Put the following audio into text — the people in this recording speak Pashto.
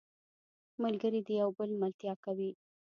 ملګری د یو بل ملتیا کوي